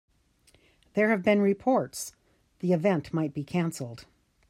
There have been reports the event might be canceled.